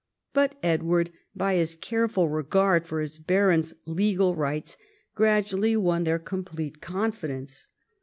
But Edward, by his careful regard for his barons' legal rights, gradually won their complete confidence.